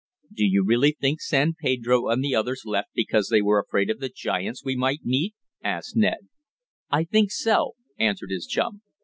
"Do you really think San Pedro and the others left because they were afraid of the giants we might meet?" asked Ned. "I think so," answered his chum.